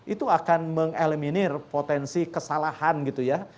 itu akan mengeliminir potensi kesalahan gitu ya